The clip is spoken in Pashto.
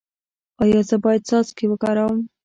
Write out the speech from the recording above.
ایا زه باید څاڅکي وکاروم؟